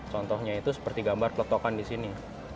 contohnya itu seperti gambar peletokan di sini